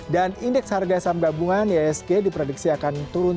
dan indeks harga saham gabungan iisg diprediksi akan turun